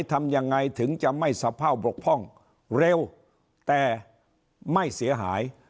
ทำยังไงถึงจะไม่สะเภาบกพร่องเร็วแต่ไม่เสียหาย